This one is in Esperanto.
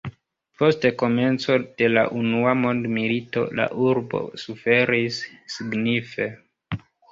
Post komenco de la Unua Mondmilito la urbo suferis signife.